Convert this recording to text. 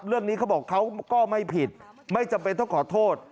เขาบอกเขาก็ไม่ผิดไม่จำเป็นต้องขอโทษ